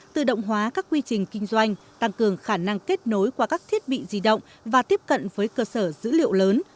tự động hóa các quy trình kinh doanh tăng cường khả năng kết nối qua các thiết bị di động và tiếp cận với cơ sở dữ liệu lớn